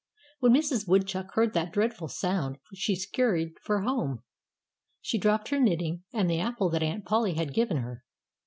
When Mrs. Woodchuck heard that dreadful sound she scurried for home. She dropped her knitting and the apple that Aunt Polly had given her.